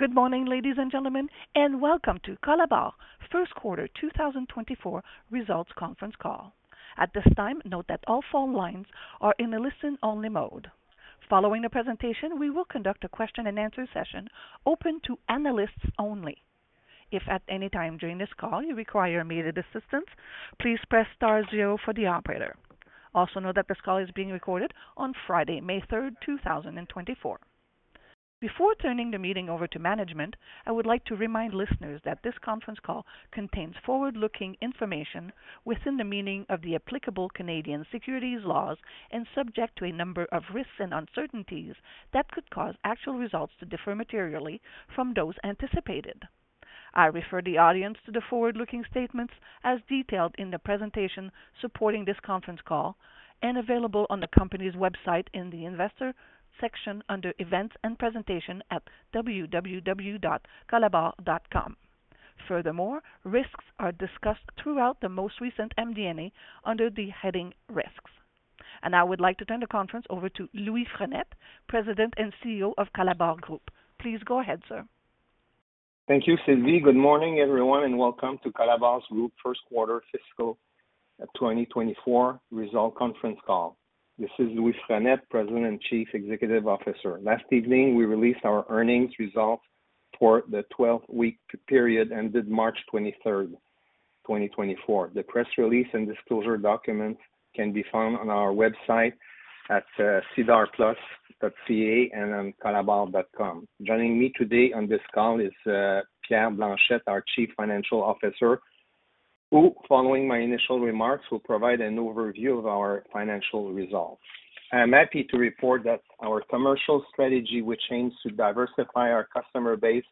Good morning, ladies and gentlemen, and welcome to Colabor First Quarter 2024 Results Conference Call. At this time, note that all phone lines are in a listen-only mode. Following the presentation, we will conduct a question-and-answer session open to analysts only. If at any time during this call you require immediate assistance, please press star zero for the operator. Also, note that this call is being recorded on Friday, May 3rd, 2024. Before turning the meeting over to management, I would like to remind listeners that this conference call contains forward-looking information within the meaning of the applicable Canadian securities laws and subject to a number of risks and uncertainties that could cause actual results to differ materially from those anticipated. I refer the audience to the forward-looking statements as detailed in the presentation supporting this conference call and available on the company's website in the investor section under Events and Presentation at www.colabor.com. Furthermore, risks are discussed throughout the most recent MD&A under the heading Risks. Now I would like to turn the conference over to Louis Frenette, President and CEO of Colabor Group. Please go ahead, sir. Thank you, Sylvie. Good morning, everyone, and welcome to Colabor Group First Quarter Fiscal 2024 Result Conference Call. This is Louis Frenette, President and Chief Executive Officer. Last evening, we released our earnings results for the 12-week period ended March 23rd, 2024. The press release and disclosure document can be found on our website at SEDAR+.ca and on colabor.com. Joining me today on this call is Pierre Blanchette, our Chief Financial Officer, who, following my initial remarks, will provide an overview of our financial results. I am happy to report that our commercial strategy, which aims to diversify our customer base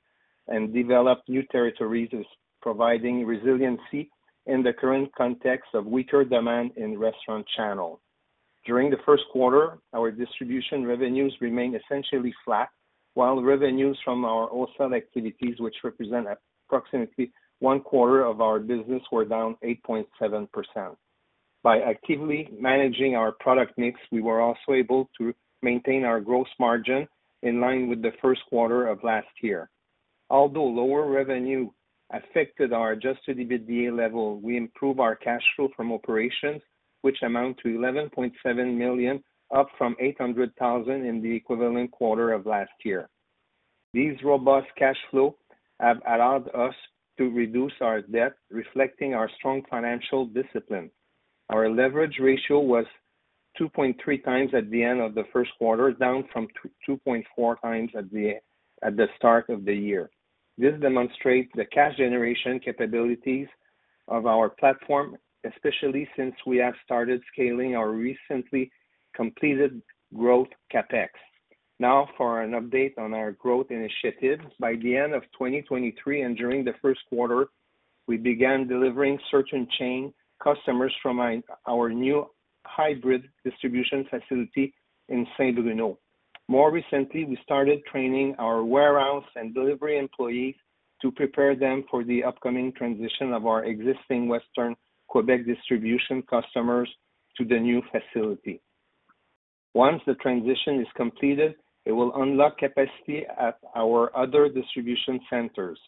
and develop new territories, is providing resiliency in the current context of weaker demand in restaurant channels. During the first quarter, our distribution revenues remained essentially flat, while revenues from our wholesale activities, which represent approximately one quarter of our business, were down 8.7%. By actively managing our product mix, we were also able to maintain our gross margin in line with the first quarter of last year. Although lower revenue affected our Adjusted EBITDA level, we improved our cash flow from operations, which amount to 11.7 million, up from 800,000 in the equivalent quarter of last year. These robust cash flow have allowed us to reduce our debt, reflecting our strong financial discipline. Our leverage ratio was 2.3x at the end of the first quarter, down from 2.4x at the start of the year. This demonstrates the cash generation capabilities of our platform, especially since we have started scaling our recently completed growth CapEx. Now, for an update on our growth initiative. By the end of 2023 and during the first quarter, we began delivering serving chain customers from our new hybrid distribution facility in Saint-Bruno. More recently, we started training our warehouse and delivery employees to prepare them for the upcoming transition of our existing Western Quebec distribution customers to the new facility. Once the transition is completed, it will unlock capacity at our other distribution centers.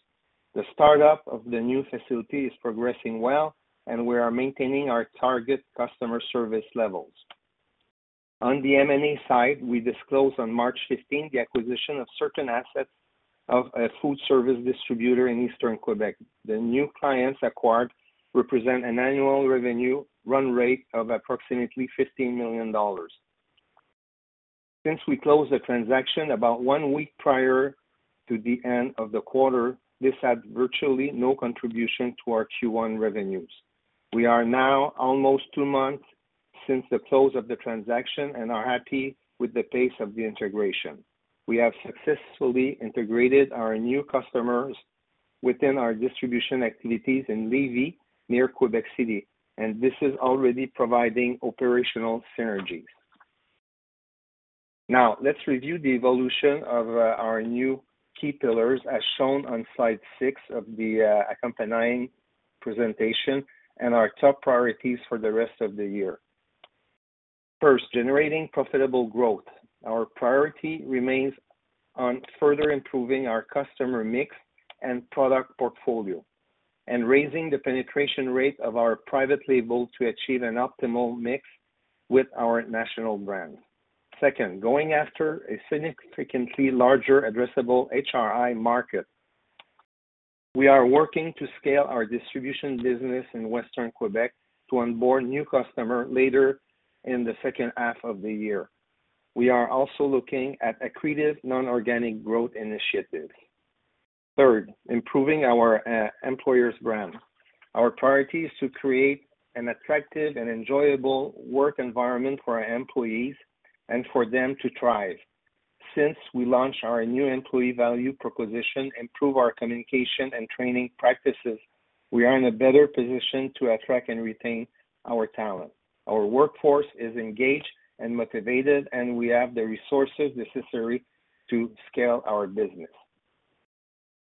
The startup of the new facility is progressing well, and we are maintaining our target customer service levels. On the M&A side, we disclosed on March 15th, the acquisition of certain assets of a food service distributor in Eastern Quebec. The new clients acquired represent an annual revenue run rate of approximately 15 million dollars. Since we closed the transaction about one week prior to the end of the quarter, this had virtually no contribution to our Q1 revenues. We are now almost two months since the close of the transaction and are happy with the pace of the integration. We have successfully integrated our new customers within our distribution activities in Lévis, near Quebec City, and this is already providing operational synergies. Now, let's review the evolution of our new key pillars, as shown on slide six of the accompanying presentation and our top priorities for the rest of the year. First, generating profitable growth. Our priority remains on further improving our customer mix and product portfolio, and raising the penetration rate of our private label to achieve an optimal mix with our national brand. Second, going after a significantly larger addressable HRI market. We are working to scale our distribution business in Western Quebec to onboard new customer later in the second half of the year. We are also looking at accretive non-organic growth initiatives. Third, improving our employer's brand. Our priority is to create an attractive and enjoyable work environment for our employees and for them to thrive. Since we launched our new employee value proposition, improve our communication and training practices, we are in a better position to attract and retain our talent. Our workforce is engaged and motivated, and we have the resources necessary to scale our business....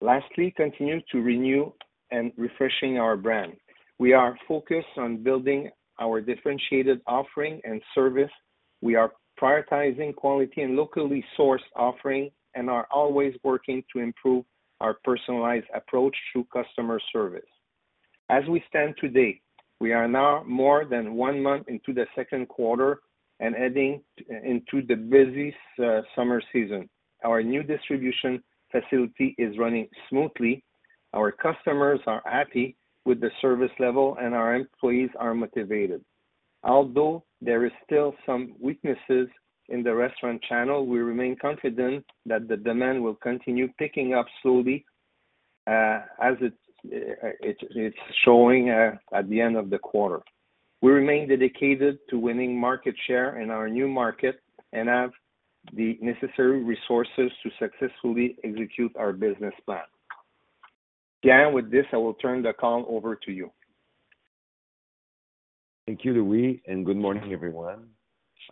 Lastly, continue to renew and refreshing our brand. We are focused on building our differentiated offering and service. We are prioritizing quality and locally sourced offering and are always working to improve our personalized approach to customer service. As we stand today, we are now more than one month into the second quarter and heading into the busiest summer season. Our new distribution facility is running smoothly, our customers are happy with the service level, and our employees are motivated. Although there is still some weaknesses in the restaurant channel, we remain confident that the demand will continue picking up slowly, as it's showing at the end of the quarter. We remain dedicated to winning market share in our new market and have the necessary resources to successfully execute our business plan. Again, with this, I will turn the call over to you. Thank you, Louis, and good morning, everyone.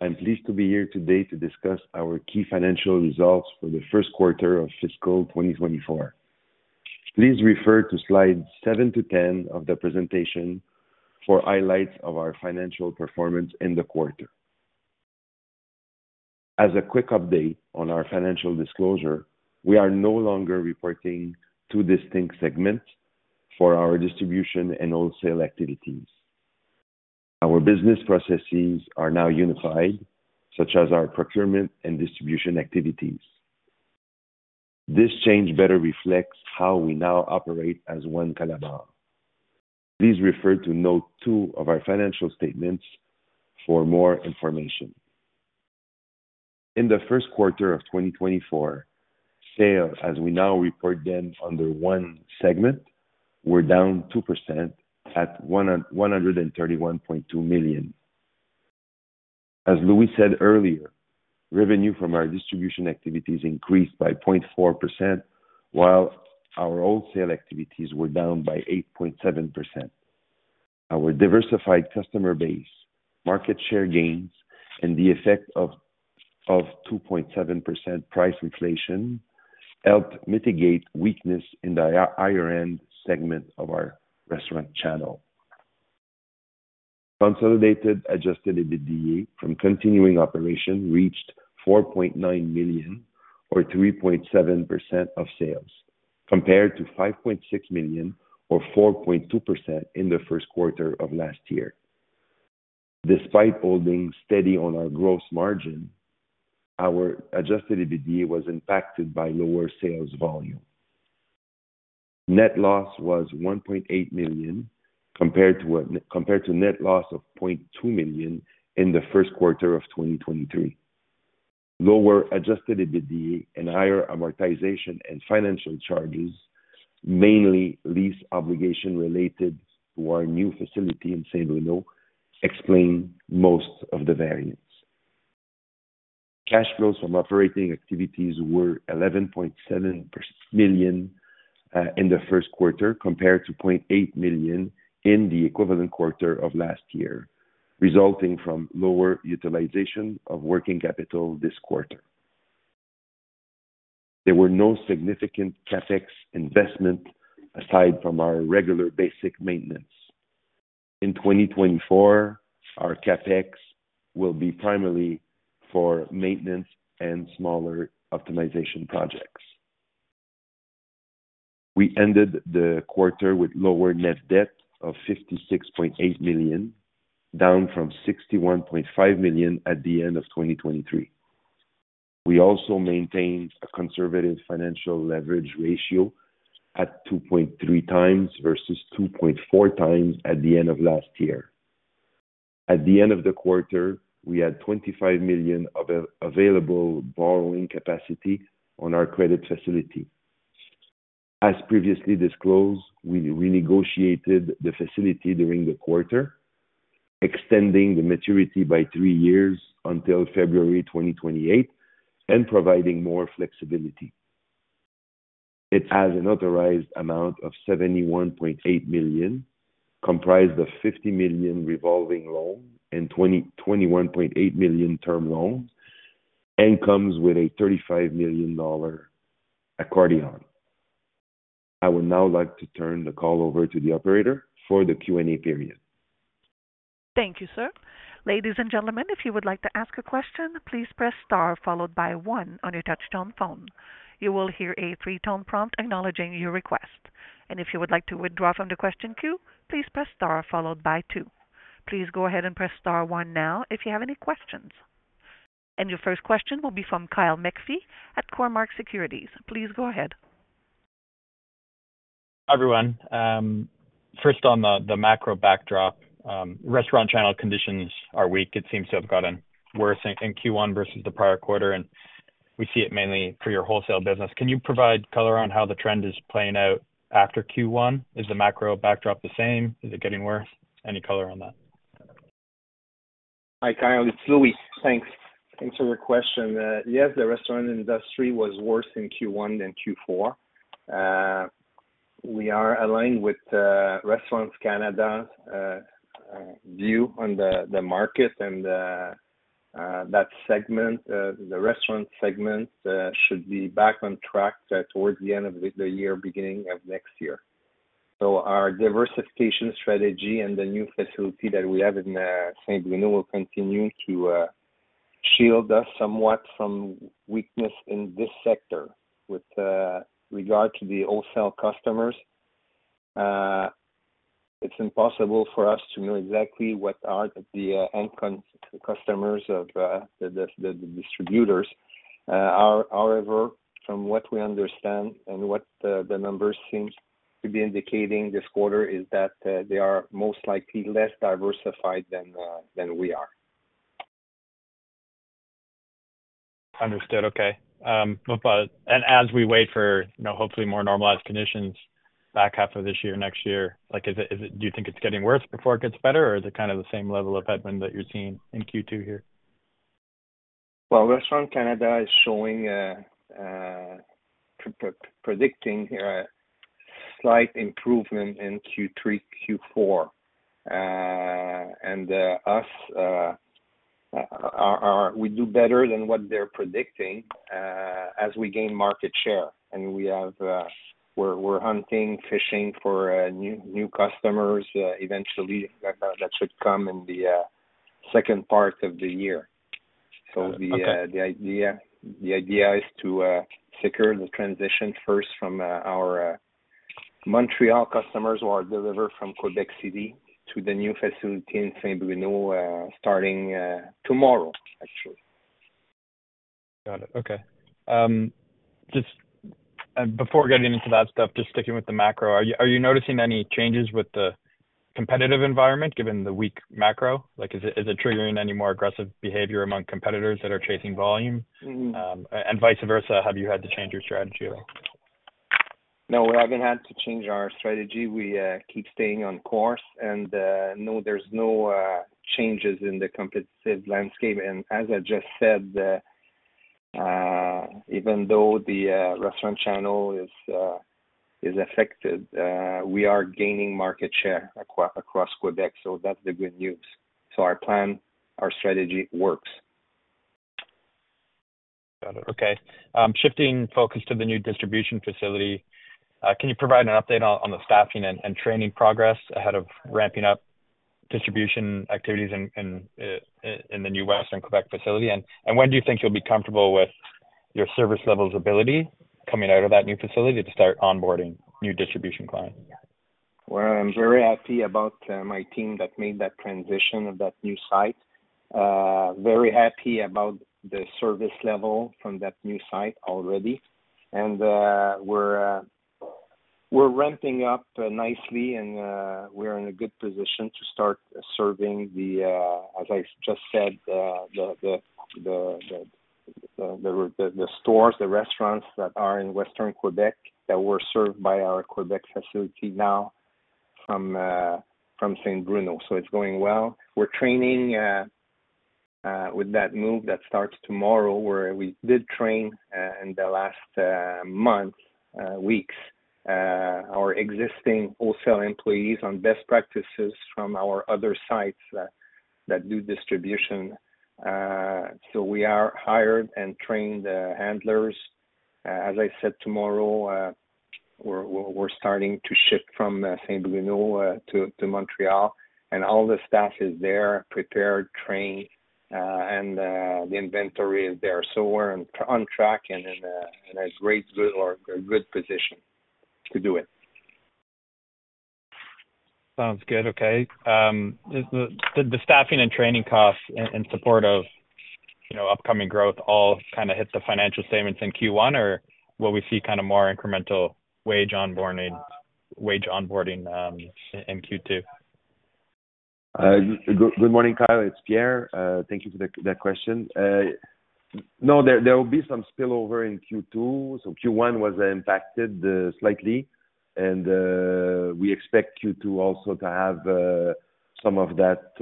I'm pleased to be here today to discuss our key financial results for the first quarter of fiscal 2024. Please refer to slide 7-Slide 10 of the presentation for highlights of our financial performance in the quarter. As a quick update on our financial disclosure, we are no longer reporting two distinct segments for our distribution and wholesale activities. Our business processes are now unified, such as our procurement and distribution activities. This change better reflects how we now operate as one Colabor. Please refer to note two of our financial statements for more information. In the first quarter of 2024, sales, as we now report them under one segment, were down 2% at 131.2 million. As Louis said earlier, revenue from our distribution activities increased by 0.4%, while our wholesale activities were down by 8.7%. Our diversified customer base, market share gains, and the effect of 2.7% price inflation helped mitigate weakness in the higher end segment of our restaurant channel. Consolidated adjusted EBITDA from continuing operations reached 4.9 million, or 3.7% of sales, compared to 5.6 million, or 4.2%, in the first quarter of last year. Despite holding steady on our gross margin, our adjusted EBITDA was impacted by lower sales volume. Net loss was 1.8 million, compared to net loss of 0.2 million in the first quarter of 2023. Lower Adjusted EBITDA and higher amortization and financial charges, mainly lease obligation related to our new facility in Saint-Bruno, explain most of the variance. Cash flows from operating activities were 11.7 million in the first quarter, compared to 0.8 million in the equivalent quarter of last year, resulting from lower utilization of working capital this quarter. There were no significant CapEx investment aside from our regular basic maintenance. In 2024, our CapEx will be primarily for maintenance and smaller optimization projects. We ended the quarter with lower net debt of 56.8 million, down from 61.5 million at the end of 2023. We also maintained a conservative financial leverage ratio at 2.3x versus 2.4x at the end of last year. At the end of the quarter, we had 25 million available borrowing capacity on our credit facility. As previously disclosed, we renegotiated the facility during the quarter, extending the maturity by three years until February 2028 and providing more flexibility. It has an authorized amount of 71.8 million, comprised of 50 million revolving loan and 21.8 million term loans, and comes with a 35 million dollar accordion. I would now like to turn the call over to the operator for the Q&A period. Thank you, sir. Ladies and gentlemen, if you would like to ask a question, please press star followed by one on your touchtone phone. You will hear a three-tone prompt acknowledging your request, and if you would like to withdraw from the question queue, please press star followed by two. Please go ahead and press star one now if you have any questions. Your first question will be from Kyle Hi, everyone. First on the macro backdrop, restaurant channel conditions are weak. It seems to have gotten worse in Q1 versus the prior quarter, and we see it mainly for your wholesale business. Can you provide color around how the trend is playing out after Q1? Is the macro backdrop the same? Is it getting worse? Any color on that? Hi, Kyle, it's Louis. Thanks. Thanks for your question. Yes, the restaurant industry was worse in Q1 than Q4. We are aligned with Restaurants Canada's view on the market and that segment, the restaurant segment, should be back on track towards the end of the year, beginning of next year. So our diversification strategy and the new facility that we have in Saint-Bruno will continue to shield us somewhat from weakness in this sector. With regard to the wholesale customers, it's impossible for us to know exactly what are the end customers of the distributors. However, from what we understand and what the numbers seems to be indicating this quarter is that they are most likely less diversified than we are. Understood. Okay. But—and as we wait for, you know, hopefully more normalized conditions back half of this year, next year, like, is it—do you think it's getting worse before it gets better, or is it kind of the same level of headwind that you're seeing in Q2 here? Well, Restaurants Canada is showing predicting slight improvement in Q3, Q4. We do better than what they're predicting as we gain market share. And we have, we're hunting, fishing for new customers. Eventually, that should come in the second part of the year. Okay. The idea is to secure the transition first from our Montreal customers who are delivered from Quebec City to the new facility in Saint-Bruno, starting tomorrow, actually. Got it. Okay. Just, before getting into that stuff, just sticking with the macro, are you, are you noticing any changes with the competitive environment, given the weak macro? Like, is it, is it triggering any more aggressive behavior among competitors that are chasing volume? Mm-hmm. Vice versa, have you had to change your strategy at all? No, we haven't had to change our strategy. We keep staying on course, and no, there's no changes in the competitive landscape. And as I just said, even though the restaurant channel is affected, we are gaining market share across Quebec, so that's the good news. So our plan, our strategy works. Got it. Okay. Shifting focus to the new distribution facility, can you provide an update on the staffing and training progress ahead of ramping up distribution activities in the new Western Quebec facility? And when do you think you'll be comfortable with your service level's ability coming out of that new facility to start onboarding new distribution clients? Well, I'm very happy about my team that made that transition of that new site. Very happy about the service level from that new site already. And we're ramping up nicely, and we're in a good position to start serving the, as I just said, the stores, the restaurants that are in Western Quebec that were served by our Quebec facility, now from Saint-Bruno. So it's going well. We're training with that move that starts tomorrow, where we did train in the last month, weeks our existing wholesale employees on best practices from our other sites that do distribution. So we are hired and trained handlers. As I said, tomorrow, we're starting to ship from Saint-Bruno to Montreal, and all the staff is there, prepared, trained, and the inventory is there. So we're on track and in a great good or a good position to do it. Sounds good. Okay. Did the staffing and training costs in support of, you know, upcoming growth, all kinda hit the financial statements in Q1, or will we see kinda more incremental wage onboarding, wage onboarding, in Q2? Good morning, Kyle, it's Pierre. Thank you for that question. No, there will be some spillover in Q2. So Q1 was impacted slightly, and we expect Q2 also to have some of that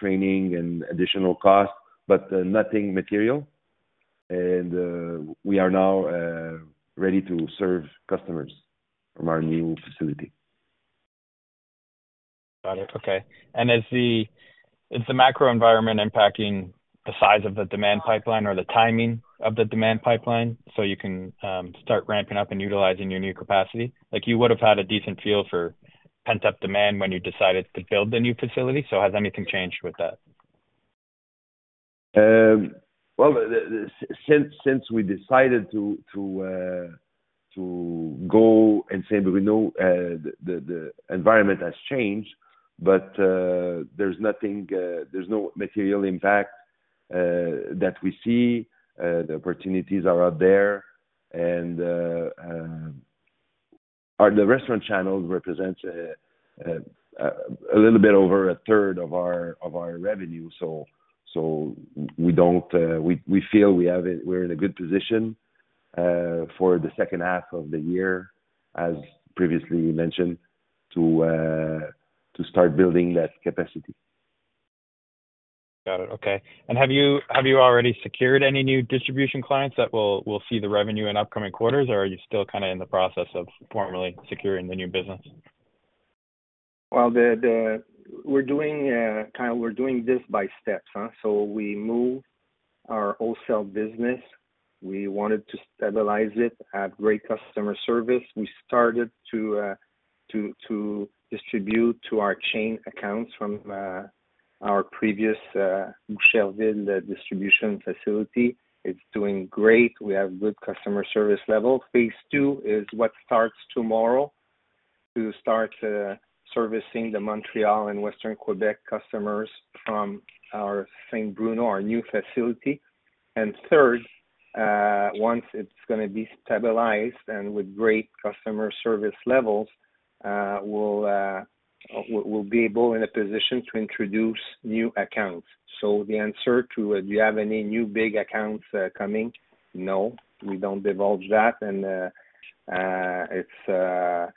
training and additional costs, but nothing material. And we are now ready to serve customers from our new facility. Got it. Okay. Is the macro environment impacting the size of the demand pipeline or the timing of the demand pipeline, so you can start ramping up and utilizing your new capacity? Like, you would've had a decent feel for pent-up demand when you decided to build the new facility, so has anything changed with that? Well, since we decided to go in Saint-Bruno, the environment has changed, but there's no material impact that we see. The opportunities are out there, and the restaurant channel represents a little bit over a third of our revenue, so we feel we have a-- we're in a good position for the second half of the year, as previously mentioned, to start building that capacity. ... Got it. Okay. And have you, have you already secured any new distribution clients that will, will see the revenue in upcoming quarters? Or are you still kind of in the process of formally securing the new business? Well, we're doing kind of, we're doing this by steps, huh? So we move our wholesale business. We wanted to stabilize it at great customer service. We started to distribute to our chain accounts from our previous Boucherville, the distribution facility. It's doing great. We have good customer service level. Phase two is what starts tomorrow, to start servicing the Montreal and Western Quebec customers from our Saint-Bruno, our new facility. And third, once it's gonna be stabilized and with great customer service levels, we'll be able in a position to introduce new accounts. So the answer to, do you have any new big accounts coming? No, we don't divulge that. And it's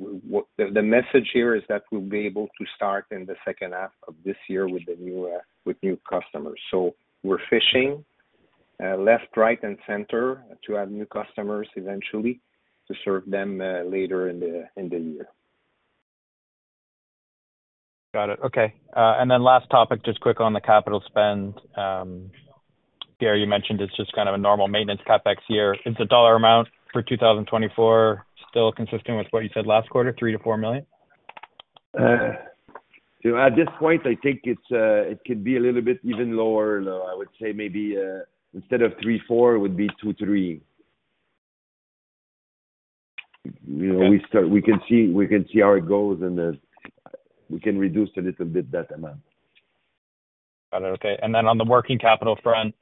what... The message here is that we'll be able to start in the second half of this year with new customers. So we're fishing left, right, and center to add new customers eventually, to serve them later in the year. Got it. Okay. And then last topic, just quick on the capital spend. Pierre, you mentioned it's just kind of a normal maintenance CapEx year. Is the dollar amount for 2024 still consistent with what you said last quarter, 3 million-4 million? At this point, I think it's, it could be a little bit even lower. I would say maybe, instead of three, four, it would be two, three. You know, we start- Okay. We can see, we can see how it goes, and, we can reduce a little bit that amount. Got it. Okay. And then on the working capital front,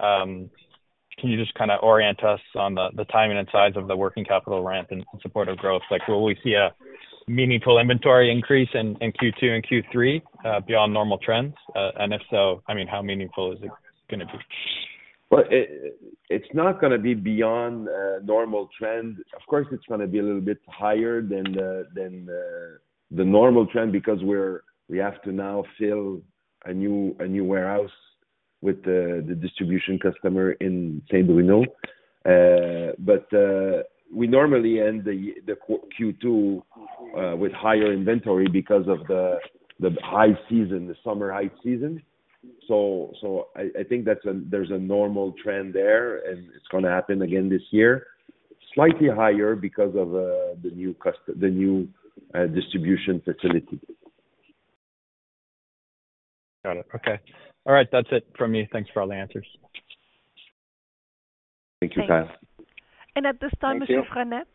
can you just kinda orient us on the timing and size of the working capital ramp in support of growth? Like, will we see a meaningful inventory increase in Q2 and Q3 beyond normal trends? And if so, I mean, how meaningful is it gonna be? Well, it's not gonna be beyond normal trend. Of course, it's gonna be a little bit higher than the normal trend because we're—we have to now fill a new warehouse with the distribution customer in Saint-Bruno. But we normally end the Q2 with higher inventory because of the high season, the summer high season. So I think that's a normal trend there, and it's gonna happen again this year. Slightly higher because of the new customer, the new distribution facility. Got it. Okay. All right, that's it from me. Thanks for all the answers. Thank you, Kyle. Thanks. At this time- Thank you. Monsieur Frenette,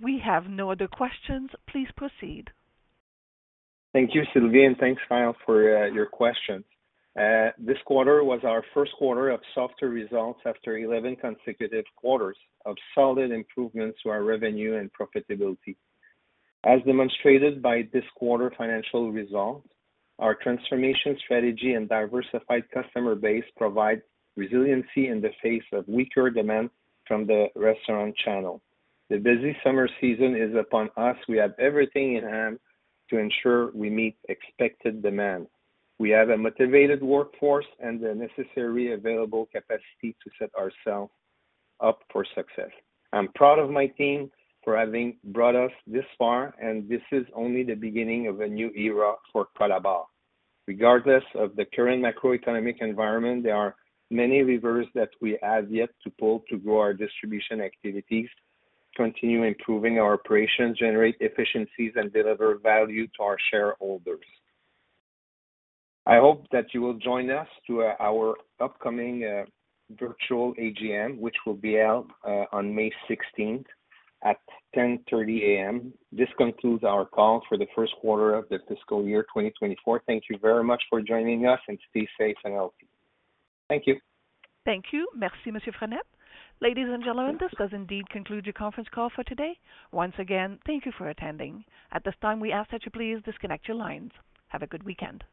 we have no other questions. Please proceed. Thank you, Sylvie, and thanks, Kyle, for your questions. This quarter was our first quarter of softer results after 11 consecutive quarters of solid improvements to our revenue and profitability. As demonstrated by this quarter financial results, our transformation strategy and diversified customer base provide resiliency in the face of weaker demand from the restaurant channel. The busy summer season is upon us. We have everything in hand to ensure we meet expected demand. We have a motivated workforce and the necessary available capacity to set ourselves up for success. I'm proud of my team for having brought us this far, and this is only the beginning of a new era for Colabor. Regardless of the current macroeconomic environment, there are many levers that we have yet to pull to grow our distribution activities, continue improving our operations, generate efficiencies, and deliver value to our shareholders. I hope that you will join us to our upcoming virtual AGM, which will be out on May sixteenth at 10:30 A.M. This concludes our call for the first quarter of the fiscal year 2024. Thank you very much for joining us, and stay safe and healthy. Thank you. Thank you. Merci, Monsieur Frenette. Ladies and gentlemen, this does indeed conclude your conference call for today. Once again, thank you for attending. At this time, we ask that you please disconnect your lines. Have a good weekend.